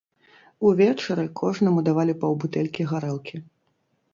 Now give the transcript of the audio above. Увечары кожнаму давалі паўбутэлькі гарэлкі.